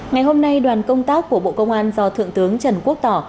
ngày hôm nay đoàn công tác của bộ công an do thượng tướng trần quốc tỏ